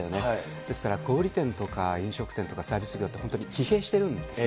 ですから小売店とか飲食店とかサービス業って疲弊してるんですよね。